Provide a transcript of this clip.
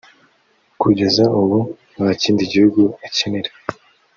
kugeza ubu nta kindi gihugu akinira